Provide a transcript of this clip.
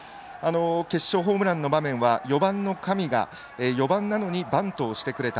決勝ホームランの場面は４番の上が４番なのにバントをしてくれた。